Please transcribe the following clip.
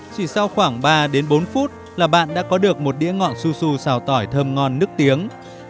chỉ sau khoảng ba đến bốn phút là bạn đã có được một đĩa ngọn su su xào tỏi thơm ngon nức tiếng